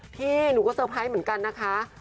พี่หนูก็เตอร์ไพรส์เหมือนกันนะคะ